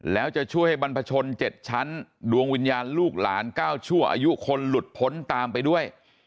แล้วจะช่วยให้บรรพชน๗ชั้นดวงวิญญาณลูกหลานก้าวชั่วอายุคนหลุดพ้นตามไปด้วย